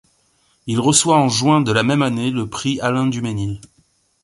Il reçoit en juin de la même année le prix Alain Duménil.